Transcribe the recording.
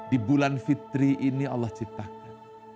di bulan fitri ini allah ciptakan